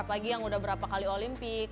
apalagi yang udah berapa kali olimpik